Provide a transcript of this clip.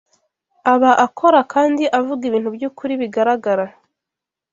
aba akora kandi avuga ibintu by’ukuri bigaragara